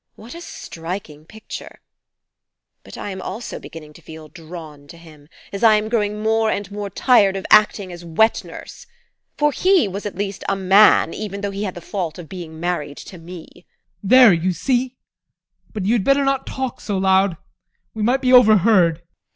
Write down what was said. What a striking picture! But I am also beginning to feel drawn to him, as I am growing more and more tired of acting as wetnurse. For he was at least a man, even though he had the fault of being married to me. ADOLPH. There, you see! But you had better not talk so loud we might be overheard.